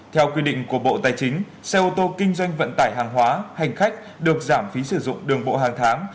theo quy định của bộ tài chính xe ô tô kinh doanh vận tải hàng hóa hành khách được giảm phí sử dụng đường bộ hàng tháng